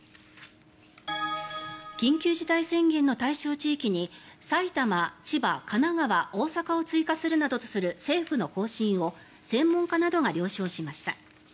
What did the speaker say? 緊急事態宣言の対象地域に埼玉、千葉、神奈川、大阪を追加するなどとする政府の方針を専門家などが了承しました。